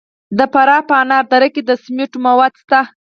د فراه په انار دره کې د سمنټو مواد شته.